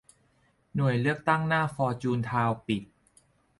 หน่วยเลือกตั้งหน้าฟอร์จูนทาวน์ปิด